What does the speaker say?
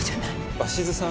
「鷲津さん